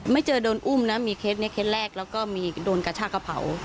ไม่เจอโดนอุ้มนะมีเคสแรกแล้วก็โดนกระชากระเผา